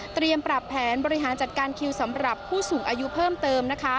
ปรับแผนบริหารจัดการคิวสำหรับผู้สูงอายุเพิ่มเติมนะคะ